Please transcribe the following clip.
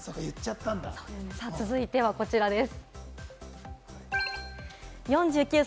続いてはこちらです。